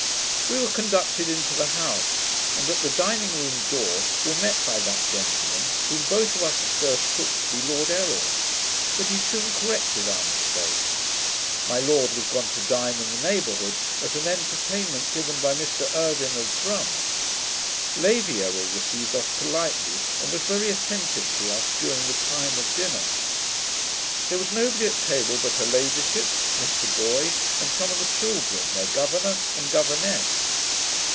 We were conducted into the house, and at the dining room door were met by that gentleman, whom both of us at first took to be Lord Errol; but he soon corrected our mistake. My lord was gone to dine in the neighbourhood, at an entertainment given by Mr Irvine of Drum. Lady Errol received us politely, and was very attentive to us during the time of dinner. There was nobody at table but her ladyship, Mr Boyd, and some of the children, their governour and governess.